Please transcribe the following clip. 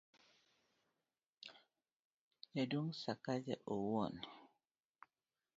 jaduong' Sakaja owuon